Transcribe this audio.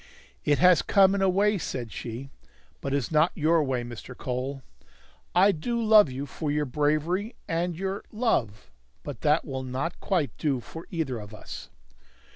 "It has come, in a way," said she; "but it is not your way, Mr. Cole. I do love you for your bravery and your love but that will not quite do for either of us."